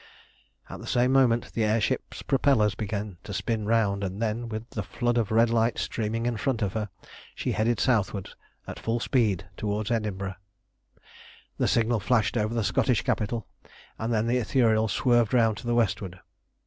At the same moment the air ship's propellers began to spin round, and then with the flood of red light streaming in front of her, she headed southward at full speed towards Edinburgh. The signal flashed over the Scottish capital, and then the Ithuriel swerved round to the westward.